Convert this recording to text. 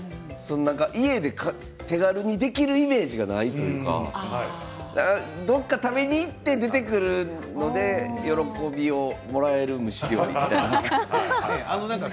家で手軽にできるイメージがないというかどこか食べに行って出てくるので喜びをもらうようにしようというか。